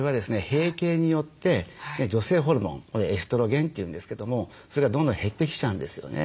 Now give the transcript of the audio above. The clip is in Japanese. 閉経によって女性ホルモンエストロゲンって言うんですけどもそれがどんどん減ってきちゃうんですよね。